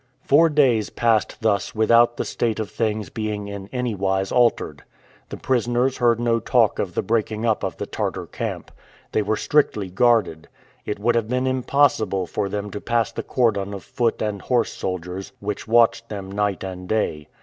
Four days passed thus without the state of things being in anywise altered. The prisoners heard no talk of the breaking up of the Tartar camp. They were strictly guarded. It would have been impossible for them to pass the cordon of foot and horse soldiers, which watched them night and day.